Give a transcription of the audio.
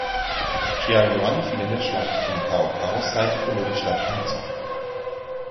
Xiahou Yuan fiel in der Schlacht, und Cao Caos Seite verlor die Stadt Hanzhong.